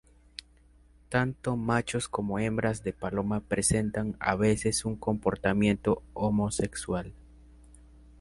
Tanto machos como hembras de paloma presentan a veces un comportamiento homosexual.